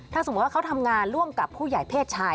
ถ้าสมมุติว่าเขาทำงานร่วมกับผู้ใหญ่เพศชาย